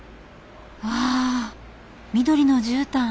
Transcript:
わあ緑のじゅうたん！